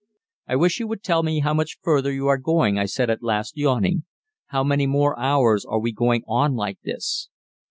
"I wish you would tell me how much further you are going," I said at last, yawning. "How many more hours are we going on like this?"